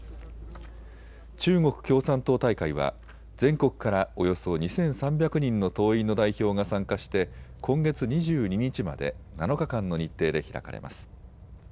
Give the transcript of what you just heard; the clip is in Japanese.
中国共産党大会は全国からおよそ２３００人の党員の代表が参加して今月２２日まで７日間の日程で開かれます。